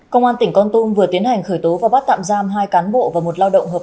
công an tỉnh con tum vừa tiến hành khởi tố và bắt tạm giam hai cán bộ và một lao động hợp pháp